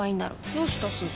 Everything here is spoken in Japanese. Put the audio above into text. どうしたすず？